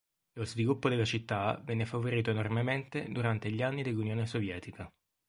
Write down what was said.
Lo sviluppo della città venne favorito enormemente durante gli anni dell'Unione Sovietica.